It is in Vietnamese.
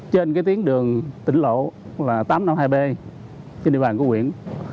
trên cái tiến đường tỉnh lộ là tám trăm năm mươi hai b trên địa bàn của huyện